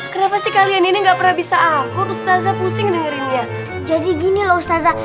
kenapa sih kalian ini nggak pernah bisa aku ustaza pusing dengerin dia jadi gini loh ustazah